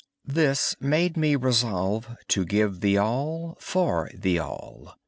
This made me resolve to give the all for the All.